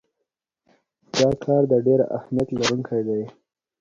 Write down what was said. دا کار د ډیر اهمیت لرونکی دی.